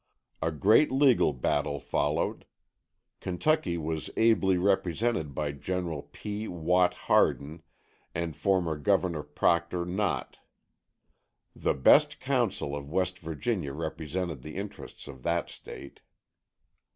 A great legal battle followed. Kentucky was ably represented by General P. Watt Hardin and former Governor Proctor Knott. The best counsel of West Virginia represented the interests of that State.